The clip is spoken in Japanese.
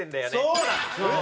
そうなんです！